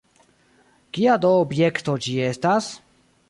Kia do objekto ĝi estas?